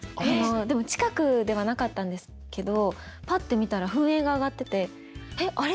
でも近くではなかったんですけどパッて見たら噴煙が上がっててえっ